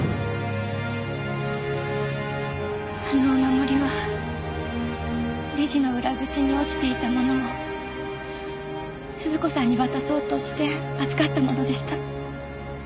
あのお守りはレジの裏口に落ちていたものを鈴子さんに渡そうとして預かったものでした